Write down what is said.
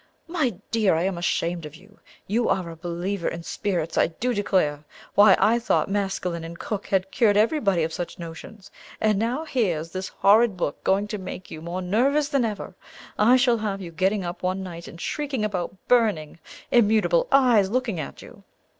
"My dear, I am ashamed of you! You are a believer in spirits, I do declare! Why, I thought Maskelyne and Cook had cured everybody of such notions; and now here's this horrid book going to make you more nervous than ever. I shall have you getting up one night and shrieking about burning, immutable eyes looking at you."